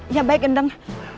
ya baik gendeng